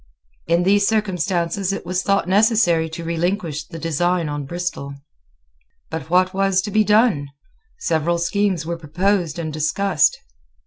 In these circumstances it was thought necessary to relinquish the design on Bristol. But what was to be done? Several schemes were proposed and discussed.